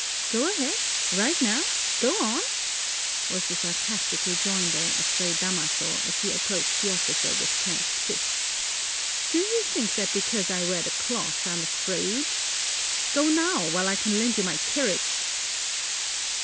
"Go ahead right now go on!" was the sarcastic rejoinder of Fray Damaso as he approached the officer with clenched fists. "Do you think that because I wear the cloth, I'm afraid? Go now, while I can lend you my carriage!"